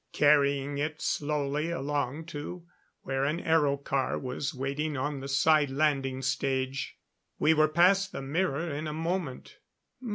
Carrying it slowly along to where an aero car was waiting on the side landing stage. We were past the mirror in a moment.